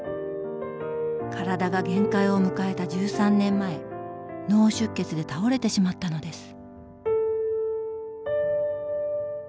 体が限界を迎えた１３年前脳出血で倒れてしまったのです。